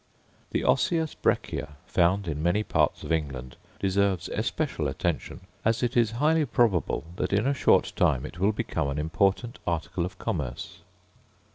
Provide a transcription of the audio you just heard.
The osseous breccia found in many parts of England deserves especial attention, as it is highly probable that in a short time it will become an important article of commerce.